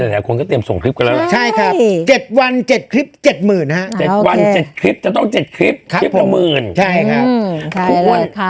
หลวงพระหน้าแหลกคนก็เตรียมส่งคลิปกันแล้วหรือคะใช่ครับ